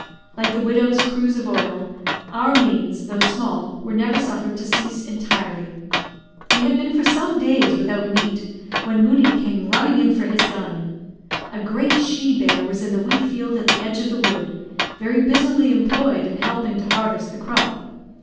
Like the widow's cruise of oil, our means, though small, were never suffered to cease entirely. We had been for some days without meat, when Moodie came running in for his gun. A great she bear was in the wheat field at the edge of the wood, very busily employed in helping to harvest the crop.